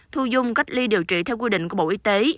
thu dung cách ly điều trị theo quy định của bộ y tế